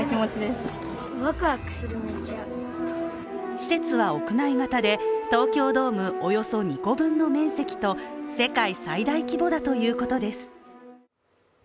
施設は屋内型で東京ドームおよそ２個分の面積と世界最大規模だということです。